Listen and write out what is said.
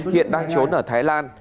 hiện đang trốn ở thái lan